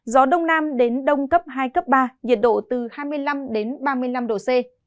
gió đông nam đến đông cấp hai cấp ba nhiệt độ từ hai mươi năm đến ba mươi năm độ c